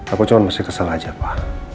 aku cuman masih kesel aja pa